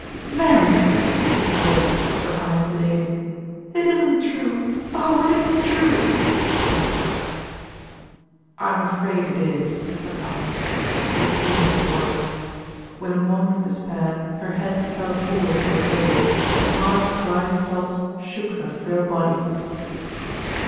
"Married!" She started up, her eyes blazing. "It isn't true, oh! it isn't true," she cried. "I'm afraid it is," said Malcolm Sage, with feeling in his voice. With a moan of despair her head fell forward upon the table, and hard dry sobs shook her frail body.